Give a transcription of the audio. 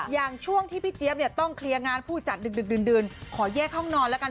ช่วงที่พี่เจี๊ยบเนี่ยต้องเคลียร์งานผู้จัดดึกดื่นขอแยกห้องนอนแล้วกัน